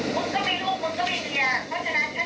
ก็ต้องลงกับมันไปเลยคุณจะด่าตัวตัวได้